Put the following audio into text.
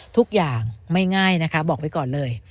ทุกอย่างไม่ง่ายนะคะบอกไว้ก่อนเลย